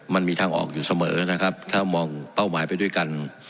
มันมีทางออกอยู่เสมอนะครับถ้ามองเป้าหมายไปด้วยกัน